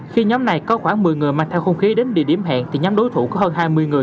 khi nhóm này có khoảng một mươi người mang theo hung khí đến địa điểm hẹn thì nhóm đối thủ có hơn hai mươi người